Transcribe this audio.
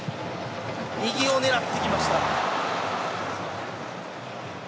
右を狙ってきました。